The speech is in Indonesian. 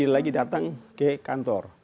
lagi datang ke kantor